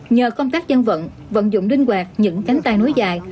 nhờ công tác dân vận vận dụng đinh quạt những cánh tay núi dài